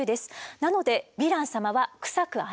なのでヴィラン様はクサくありません。